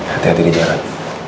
hati hati di jalan